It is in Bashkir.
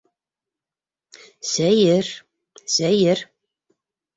Сәйер, сәйер...